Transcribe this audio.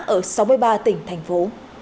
ở sáu mươi ba tỉnh thành phố